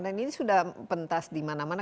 dan ini sudah pentas dimana mana